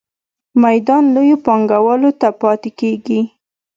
میدان لویو پانګوالو ته پاتې کیږي.